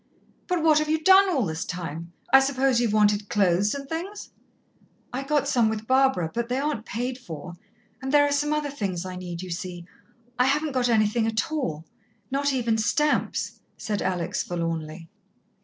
"But what have you done all this time? I suppose you've wanted clothes and things." "I got some with Barbara, but they aren't paid for. And there are some other things I need you see, I haven't got anything at all not even stamps," said Alex forlornly.